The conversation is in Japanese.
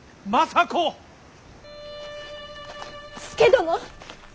佐殿！